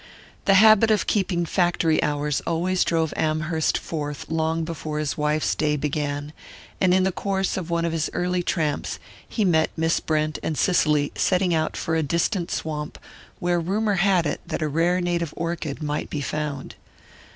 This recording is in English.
The habit of keeping factory hours always drove Amherst forth long before his wife's day began, and in the course of one of his early tramps he met Miss Brent and Cicely setting out for a distant swamp where rumour had it that a rare native orchid might be found.